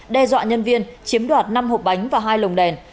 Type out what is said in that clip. đe dọa nhân viên chiếm đoạt năm hộp bánh và hai lồng đèn